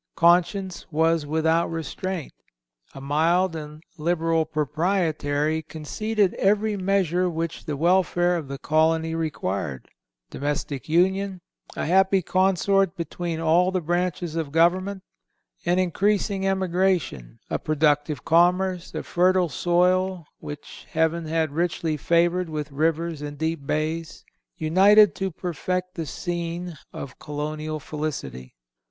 Conscience was without restraint. A mild and liberal proprietary conceded every measure which the welfare of the colony required; domestic union, a happy concert between all the branches of government, an increasing emigration, a productive commerce, a fertile soil, which heaven had richly favored with rivers and deep bays, united to perfect the scene of colonial felicity.